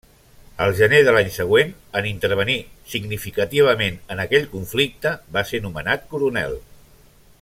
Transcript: Al gener de l'any següent en intervenir significativament en aquell conflicte va ser nomenat coronel.